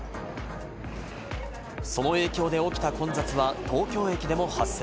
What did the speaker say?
その影響で起きた混雑は東京駅でも発生。